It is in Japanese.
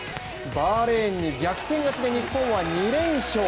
バーレーンに逆転勝ちで日本は２連勝。